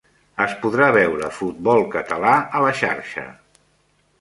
Es podrà veure futbol català a la Xarxa